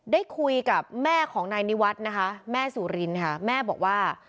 ได้คุยกับแม่ของนายนิวัฒน์นะคะแม่สุรินค่ะแม่บอกว่า